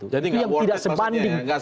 jadi nggak worth it maksudnya ya